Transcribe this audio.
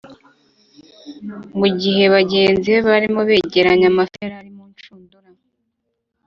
mu gihe bagenzi be barimo begeranya amafi yari ari mu nshundura